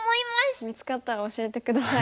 見つかったら教えて下さい。